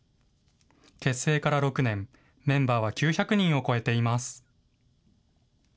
結成から６年、メンバーは９００人を超えています。